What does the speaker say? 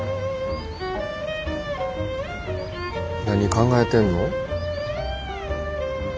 何考えてんの？